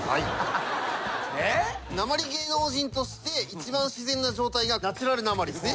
なまり芸能人として一番自然な状態がナチュラルなまりですね。